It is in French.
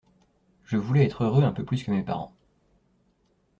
Je voulais être heureux un peu plus que mes parents.